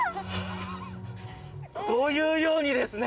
こういうようにですね。